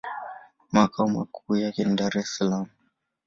Makao makuu yake ni Dar-es-Salaam.